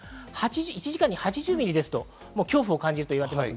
１時間に８０ミリですと恐怖を感じると言われています。